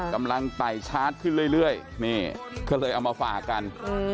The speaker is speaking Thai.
กำลังต่ายชาร์จขึ้นเรื่อยนี่เค้าเลยเอามาฝากกัน